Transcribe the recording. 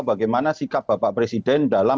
bagaimana sikap bapak presiden dalam